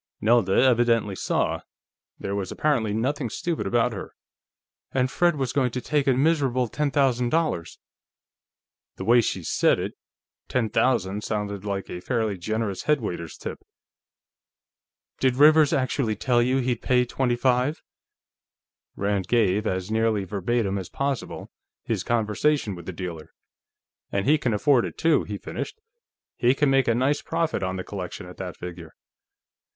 Nelda evidently saw; there was apparently nothing stupid about her. "And Fred was going to take a miserable ten thousand dollars!" The way she said it, ten thousand sounded like a fairly generous headwaiter's tip. "Did Rivers actually tell you he'd pay twenty five?" Rand gave, as nearly verbatim as possible, his conversation with the dealer. "And he can afford it, too," he finished. "He can make a nice profit on the collection, at that figure."